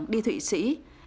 đi thuyền thống